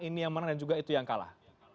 ini yang menang dan juga itu yang kalah